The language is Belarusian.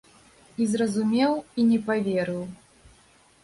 І зразумеў і не паверыў.